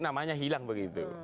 namanya hilang begitu